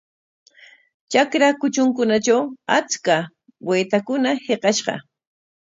Trakra kutrunkunatraw achka waytakuna hiqashqa.